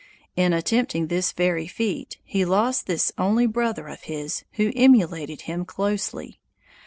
In attempting this very feat, he lost this only brother of his, who emulated him closely.